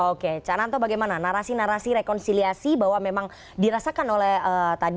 oke cananto bagaimana narasi narasi rekonsiliasi bahwa memang dirasakan oleh tadi